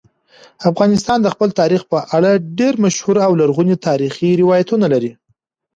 افغانستان د خپل تاریخ په اړه ډېر مشهور او لرغوني تاریخی روایتونه لري.